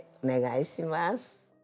お願いします。